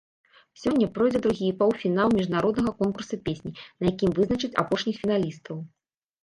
Сёння пройдзе другі паўфінал міжнароднага конкурса песні, на якім вызначаць апошніх фіналістаў.